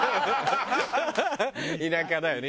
田舎だよね。